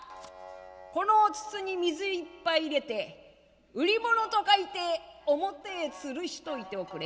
この筒に水いっぱい入れて売り物と書いて表へつるしといておくれ。